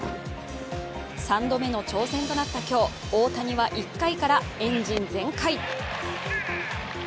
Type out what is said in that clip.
３度目の挑戦となった今日、大谷は１回からエンジン全開。